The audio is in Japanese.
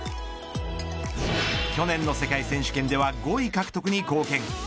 去年の世界選手権では５位獲得に貢献。